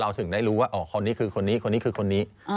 ถึงได้รู้ว่าอ๋อคนนี้คือคนนี้คนนี้คือคนนี้